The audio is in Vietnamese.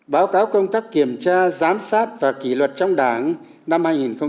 báo cáo công tác kiểm tra giám sát và kỷ luật trong đảng năm hai nghìn một mươi chín